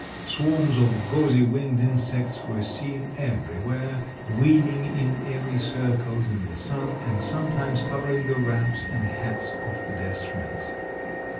Swarms of gauzy winged insects were seen everywhere, wheeling in airy circles in the sun, and sometimes covering the wraps and hats of pedestrians.